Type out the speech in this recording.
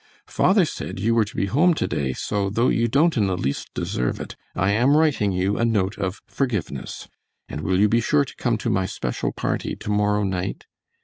Father said you were to be home to day, so though you don't in the least deserve it, I am writing you a note of forgiveness; and will you be sure to come to my special party to morrow night?